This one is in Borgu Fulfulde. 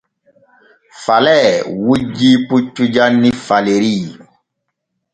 Falee wujjii puccu janni Faleri.